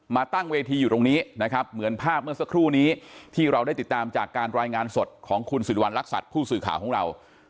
ตั้งเวทีอยู่ตรงนี้นะครับเหมือนภาพเมื่อสักครู่นี้ที่เราได้ติดตามจากการรายงานสดของคุณสิริวัณรักษัตริย์ผู้สื่อข่าวของเรา